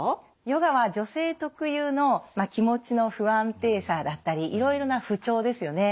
ヨガは女性特有の気持ちの不安定さだったりいろいろな不調ですよね